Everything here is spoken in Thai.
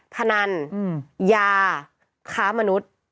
ธนรยาข้ามนุษย์